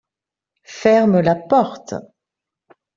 ferme la porte.